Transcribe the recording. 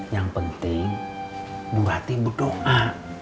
yang penting bu ratimah berdoa